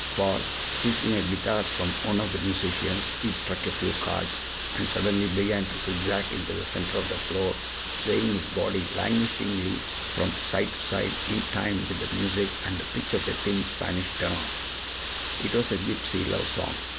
For, seizing a guitar from one of the musicians, he struck a few chords, and suddenly began to zigzag into the center of the floor, swaying his body languishingly from side to side in time with the music and the pitch of a thin Spanish tenor. It was a gypsy love song.